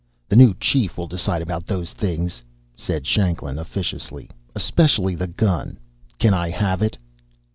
"The new chief will decide about those things," said Shanklin officiously. "Especially the gun. Can I have it?"